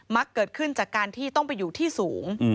ักเกิดขึ้นจากการที่ต้องไปอยู่ที่สูง